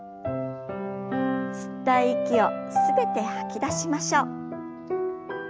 吸った息を全て吐き出しましょう。